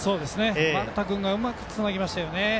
丸田君がうまくつなぎましたね。